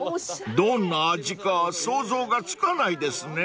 ［どんな味か想像がつかないですね］